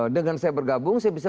dengan saya bergabung saya bisa